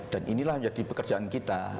dan inilah menjadi pekerjaan kita